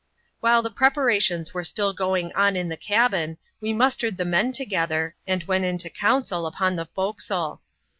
While the preparations were still going on ia the cabin, we mustered the men together, and went into council upon the fore* castle.